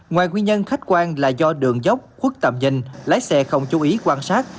ngoài nguyên nhân khách quan là do đường dốc khuất tầm nhìn lái xe không chú ý quan sát